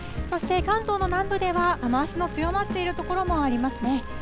そして、関東の南部では雨足の強まっている所もありますね。